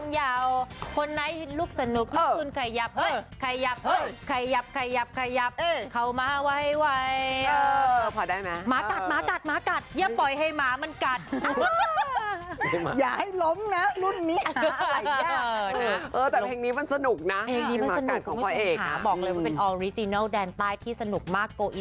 อย่าให้ล้มนะรุ่นนี้